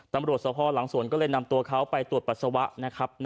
ตำรวจสภหลังสวนก็เลยนำตัวเขาไปตรวจปัสสาวะนะครับ